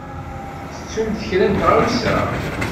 Tettumt kra n tɣawsa?